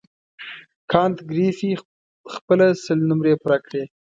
کانت ګریفي خپله سل نمرې پوره کړې.